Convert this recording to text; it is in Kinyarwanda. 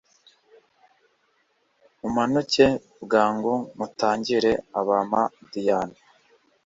mumanuke bwangu mutangire abamadiyani